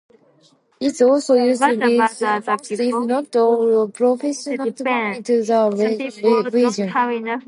It's also used with most, if not all, profanities familiar to the region.